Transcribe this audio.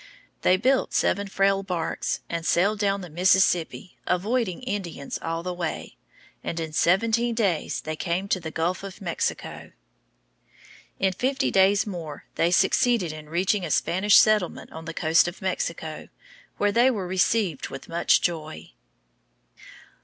They built seven frail barks and sailed down the Mississippi, avoiding Indians all the way, and in seventeen days they came to the Gulf of Mexico. In fifty days more they succeeded in reaching a Spanish settlement on the coast of Mexico, where they were received with much joy.